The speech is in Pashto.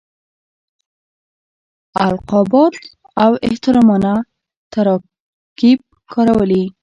القابات او احترامانه تراکیب کارولي.